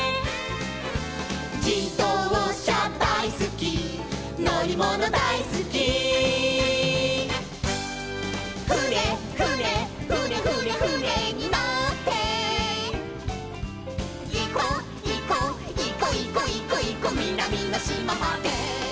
「じどうしゃだいすきのりものだいすき」「ふねふねふねふねふねにのって」「いこいこいこいこいこいこみなみのしままで」